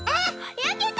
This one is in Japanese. やけた！